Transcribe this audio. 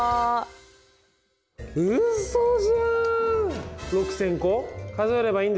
うそじゃん！